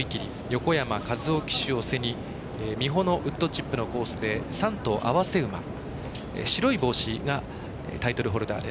横山和生騎手を背に美浦のウッドチップのコースで３頭併せ馬白い帽子がタイトルホルダー。